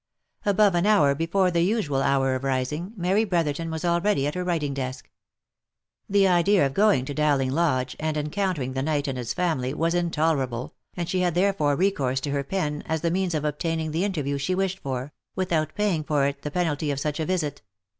Above an hour before the usual hour of rising, Mary Brotherton was already at her writing desk. The idea of going to Dowling lodge, and encountering the knight and his family, was intolerable, and she had therefore recourse to her pen as the means of obtaining the inter OF MICHAEL ARMSTRONG. 223 view she wished for, without paying for it the penalty of such a visit.